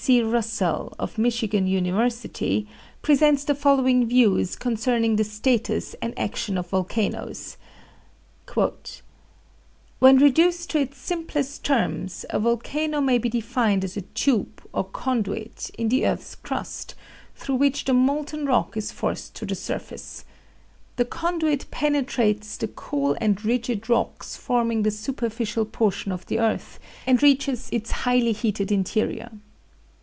C. Russell, of Michigan University, presents the following views concerning the status and action of volcanoes: "When reduced to its simplest terms, a volcano may be defined as a tube, or conduit, in the earth's crust, through which the molten rock is forced to the surface. The conduit penetrates the cool and rigid rocks forming the superficial portion of the earth, and reaches its highly heated interior.